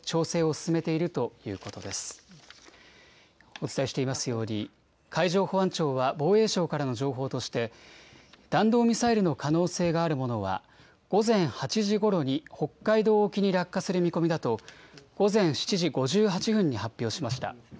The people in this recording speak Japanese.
お伝えしていますように、海上保安庁は、防衛省からの情報として、弾道ミサイルの可能性があるものは、午前８時ごろに、北海道沖に落下する見込みだと、午前７時５８分に発表しました。